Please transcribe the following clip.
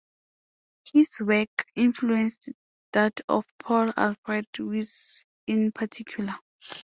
His work influenced that of Paul Alfred Weiss in particular.